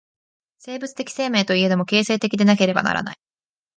生物的生命といえども、形成的でなければならない。